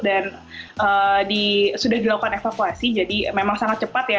dan sudah dilakukan evakuasi jadi memang sangat cepat ya